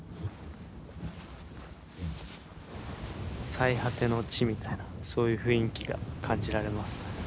最果ての地みたいなそういう雰囲気が感じられますね。